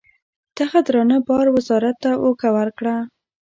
دغه درانه بار وزارت ته اوږه ورکړه.